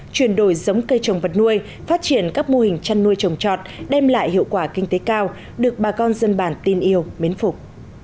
chuyển đổi giống cây trồng vật nuôi phát triển các mô hình chăn nuôi trồng trọt đem lại hiệu quả kinh tế cao được bà con dân bản tin yêu mến phục